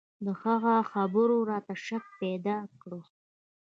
د هغه خبرو راته شک پيدا کړ.